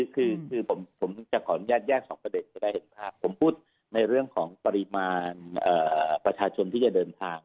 คือผมจะขอเย็นแยกความก่อนซักสำคัญผมพูดในเรื่องของราชาประชาชนณ์ที่จะเดินทาง